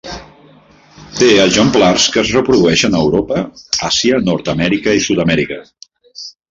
Té exemplars que es reprodueixen a Europa, Àsia, Nord-amèrica i Sud-amèrica.